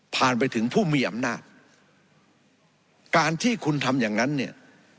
ไปถึงผู้มีอำนาจการที่คุณทำอย่างนั้นเนี่ย